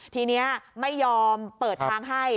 ทีนี้ไม่ยอมเปิดทางให้